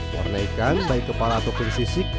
warna ikan baik kepala ataupun sisik